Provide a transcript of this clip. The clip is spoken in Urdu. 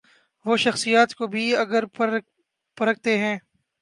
وہ شخصیات کو بھی اگر پرکھتے ہیں۔